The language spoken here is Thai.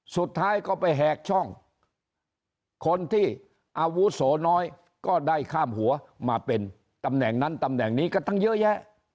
สุดท้ายก็ไปแหกช่องคนที่อาวุโสน้อยก็ได้ข้ามหัวมาเป็นตำแหน่งนั้นตำแหน่งนี้ก็ตั้งเยอะแยะ